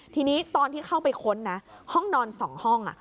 ทีนี้ตอนที่เข้าไปค้นนะห้องนอน๒ห้อง